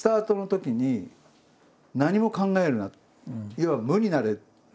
要は「無になれ」。